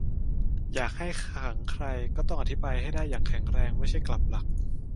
อยากให้ขังใคร ก็ต้องอธิบายให้ได้อย่างแข็งแรง - ไม่ใช่กลับหลัก